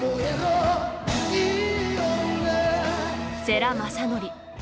世良公則。